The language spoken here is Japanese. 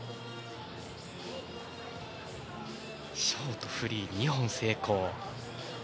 ショート、フリー２本成功。